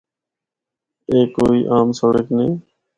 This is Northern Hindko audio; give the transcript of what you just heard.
اے کوئی عام سڑک نیں۔